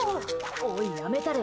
おい、やめたれ。